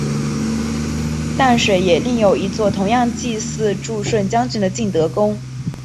淡水也另有一座同样祭祀助顺将军的晋德宫。